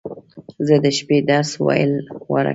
زه د شپې درس ویل غوره ګڼم.